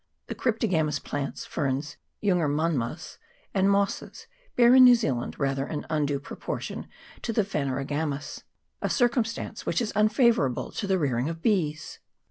The cryptogamous plants, ferns, jungermanmas, and mosses, bear in New Zealand rather an undue proportion to the phanerogomous a circumstance which is unfavour able to the rearing of bees.